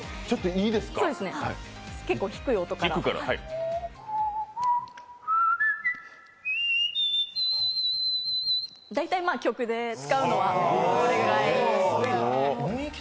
結構低い音から大体曲で使うのは、これくらい。